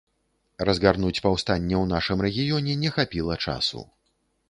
Разгарнуць паўстанне ў нашым рэгіёне не хапіла часу.